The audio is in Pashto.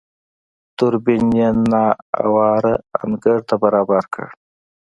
دوربين يې نااواره انګړ ته برابر کړ.